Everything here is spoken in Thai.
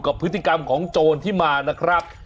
พฤติกรรมของโจรที่มานะครับ